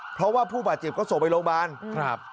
เพราะว่าผู้บาดเจ็บก็ส่งไปโรงพยาบาลครับ